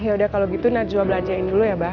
yaudah kalo gitu najwa belajain dulu ya mbak